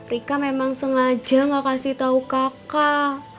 rika memang sengaja gak kasih tau kakak